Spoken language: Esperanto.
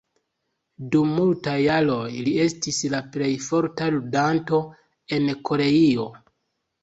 Dum multaj jaroj li estis la plej forta ludanto en Koreio.